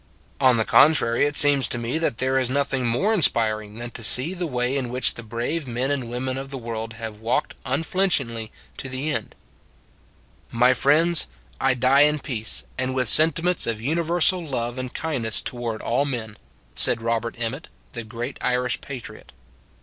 On the contrary it seems to me that there i8o It s a Good Old World is nothing more inspiring than to see the way in which the brave men and women of the world have walked unflinchingly to the end. " My friends, I die in peace, and with sentiments of universal love and kindness toward all men," said Robert Emmet, the great Irish patriot.